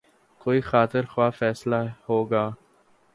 کوئی خاطر خواہ فیصلہ ہو گا۔